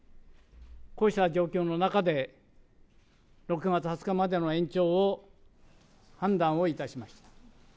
こうした状況の中で、６月２０日までの延長を判断をいたしました。